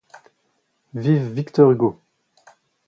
Vive Victor Hugo!